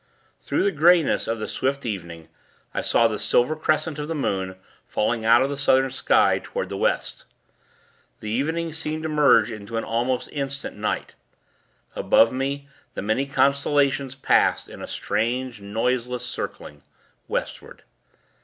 Through the greyness of the swift evening, I saw the silver crescent of the moon, falling out of the Southern sky, toward the West. The evening seemed to merge into an almost instant night. Above me, the many constellations passed in a strange, 'noiseless' circling, Westward.